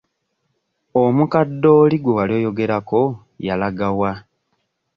Omukadde oli gwe wali oyogerako yalaga wa?